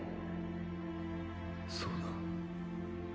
そうだ。